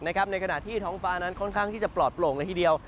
ในขณะที่ท้องฟ้านั้นค่อนข้างที่จะปลอดโปร่งเลยทีเดียว